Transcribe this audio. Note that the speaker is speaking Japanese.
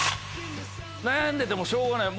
悩んでてもしょうがない。